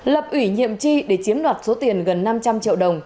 lập ủy nhiệm tri để chiếm đoạt số tiền gần năm trăm linh triệu đồng